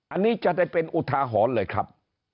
อันนี้จะได้เป็นอุทาหรณ์เลยครับ